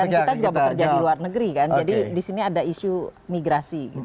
kan kita juga bekerja di luar negeri kan jadi di sini ada isu migrasi